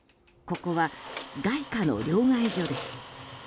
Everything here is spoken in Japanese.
ここは外貨の両替所です。